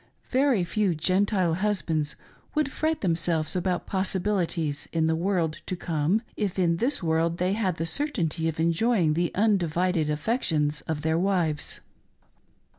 Very few Gentile husbands would fret themselves about possibilities in the world to come, if in this world they had the certainty of enjoying the undivided affec tions of their wives.